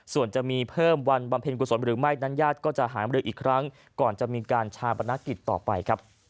ส่วนจะมีเพิ่มวันบำเพ็ญกุศลหรือไม่นั้นญาติก็จะหามรืออีกครั้งก่อนจะมีการชาปนกิจต่อไปครับ